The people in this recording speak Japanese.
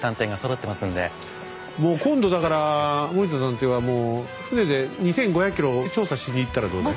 もう今度だから森田探偵は船で２，５００ｋｍ調査しに行ったらどうだい？